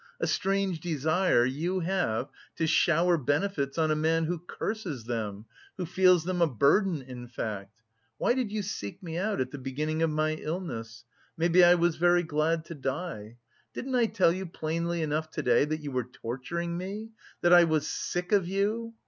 A strange desire you have to shower benefits on a man who... curses them, who feels them a burden in fact! Why did you seek me out at the beginning of my illness? Maybe I was very glad to die. Didn't I tell you plainly enough to day that you were torturing me, that I was... sick of you!